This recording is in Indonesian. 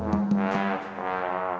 bapak apa yang kamu lakukan